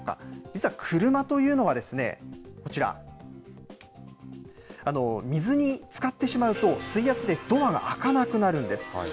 実は車というのは、こちら、水につかってしまうと、水圧でドアが開かなくなるんです。